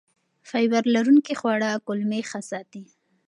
فایبر لرونکي خواړه کولمې ښه ساتي.